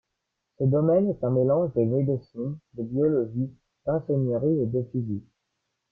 Ce domaine est un mélange de médecine, de biologie, d'ingénierie et de physique.